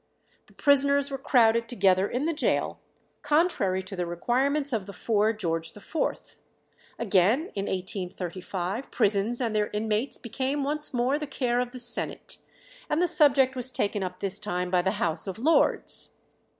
The prisoners were crowded together in the gaol, contrary to the requirements of the 4 Geo. IV. Again in 1835 prisons and their inmates became once more the care of the senate, and the subject was taken up this time by the House of Lords.